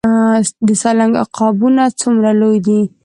د سالنګ عقابونه څومره لوی دي؟